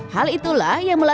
hal itulah yang mengembangkan